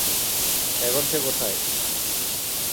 এখন সে কোথায়?